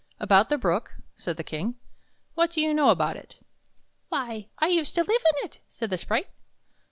"About the Brook?" said the King. " What do you know about it? "" Why, I used to live in it," said the sprite.